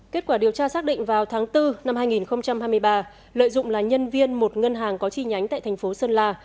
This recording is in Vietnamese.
kết quả điều tra xác định vào tháng bốn năm hai nghìn hai mươi ba lợi dụng là nhân viên một ngân hàng có chi nhánh tại thành phố sơn la